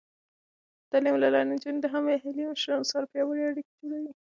د تعلیم له لارې، نجونې د محلي مشرانو سره پیاوړې اړیکې جوړوي.